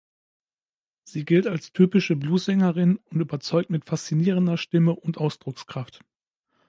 Sie gilt als typische Blues-Sängerin und überzeugt mit faszinierender Stimme und Ausdruckskraft.